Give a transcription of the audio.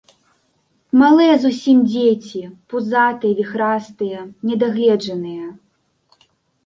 Малыя зусім дзеці, пузатыя, віхрастыя, недагледжаныя.